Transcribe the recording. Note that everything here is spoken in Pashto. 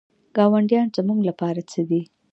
ګاونډیان زموږ لپاره څه دي؟